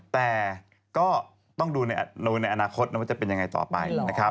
แต่ก็ต้องดูในอนาคตนะว่าจะเป็นยังไงต่อไปนะครับ